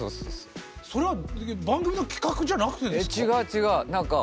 それは番組の企画じゃなくてですか？